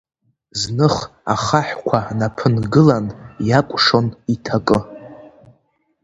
Зных ахаҳәқәа наԥынгылан, иакәшон иҭакы.